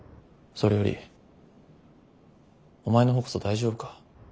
それよりお前の方こそ大丈夫か？